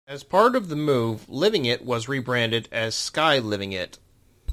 As part of the move Livingit was rebranded as Sky Livingit.